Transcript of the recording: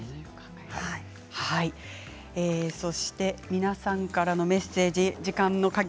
皆さんからのメッセージです。